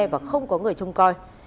và không có người trông coi